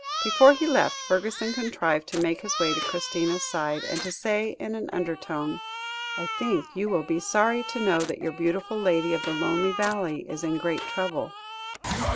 Before he left, Fergusson contrived to make his way to Christina's side, and to say in an undertone: "I think you will be sorry to know that your beautiful lady of the lonely valley is in great trouble."